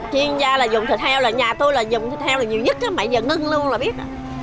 chuyên gia là dùng thịt heo nhà tôi là dùng thịt heo nhiều nhất mấy giờ ngưng luôn là biết